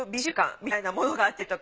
みたいなものがあったりとか。